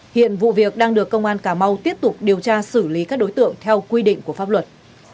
hiện vụ việc đang được công an cà mau tiếp tục điều tra xử lý các đối tượng theo quy định của pháp luật